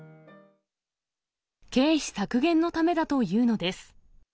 経費削減のためだというのです。